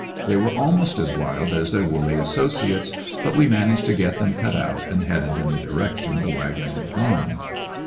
They were almost as wild as their woolly associates, but we managed to get them cut out and headed in the direction the wagon had gone.